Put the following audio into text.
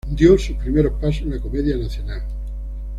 Dio sus primeros pasos en la comedia nacional.